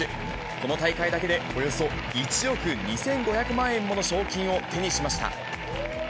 この大会だけで、およそ１億２５００万円もの賞金を手にしました。